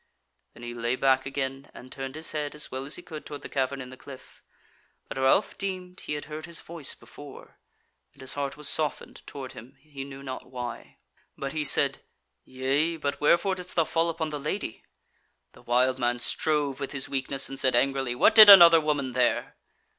Then he lay back again, and turned his head as well as he could toward the cavern in the cliff. But Ralph deemed he had heard his voice before, and his heart was softened toward him, he knew not why; but he said: "Yea, but wherefore didst thou fall upon the Lady?" The wild man strove with his weakness, and said angrily: "What did another woman there?"